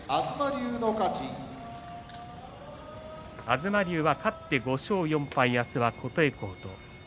東龍は勝って５勝４敗明日は琴恵光と。